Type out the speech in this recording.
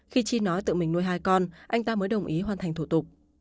khi chi nói tự mình nuôi hai con anh ta mới đồng ý hoàn thành thủ tục